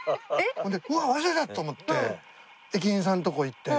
ほんでうわっ忘れたと思って駅員さんのとこ行って。